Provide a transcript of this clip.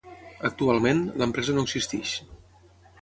Actualment, l'empresa no existeix.